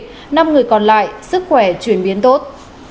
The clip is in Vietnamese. trong người còn lại sức khỏe chuyển biến tốt